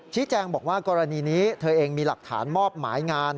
แจ้งบอกว่ากรณีนี้เธอเองมีหลักฐานมอบหมายงาน